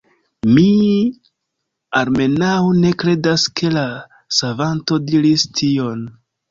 Mi, almenaŭ ne kredas ke la Savanto diris tion.